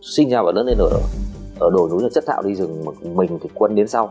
sinh ra và lớn lên ở đồi núi là rất thạo đi rừng mà mình thì quân đến sau